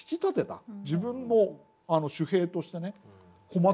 自分の手兵としてね駒として。